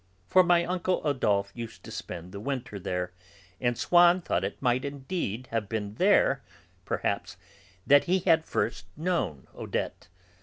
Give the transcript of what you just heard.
For my uncle Adolphe used to spend the winter there, and Swann thought that it might indeed have been there, perhaps, that he had first known Odette.